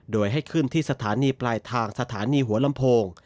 โดยให้ขึ้นที่สถานีปลายทางสถานีหัวลำโพง